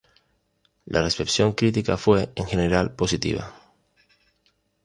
La recepción crítica fue, en general, positiva.